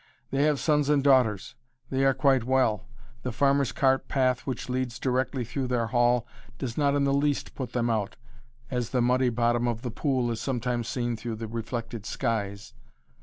They have sons and daughters. They are quite well. The farmer's cart path which leads directly through their hall does not in the least put them out, as the muddy bottom of the pool is sometimes seen through the reflected skies.